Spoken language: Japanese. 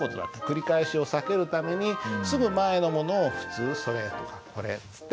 繰り返しを避けるためにすぐ前のものを普通「それ」とか「これ」っつって書けるんです。